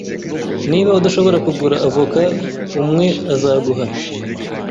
Niba udashobora kugura avoka, umwe azaguha.